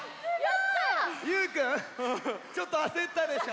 ゆうくんちょっとあせったでしょ？